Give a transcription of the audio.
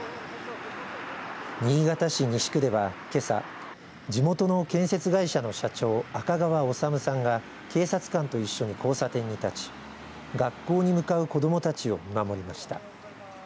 新潟市西区では、けさ地元の建設会社の社長赤川修さんが警察官と一緒に交差点に立ち学校に向かう子どもたちを見守りました。